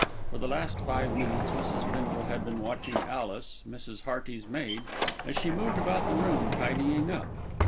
For the last five minutes Mrs. Bindle had been watching Alice, Mrs. Hearty's maid, as she moved about the room, tidying up.